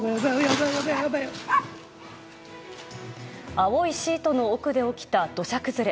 青いシートの奥で起きた土砂崩れ。